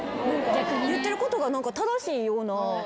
言ってることが正しいような。